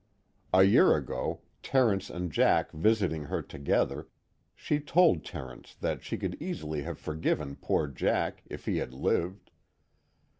A year ago, Terence and Jack visiting her together, she told Terence that she could easily have forgiven poor Jack if he had lived.